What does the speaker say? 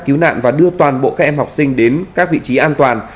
cứu nạn và đưa toàn bộ các em học sinh đến các vị trí an toàn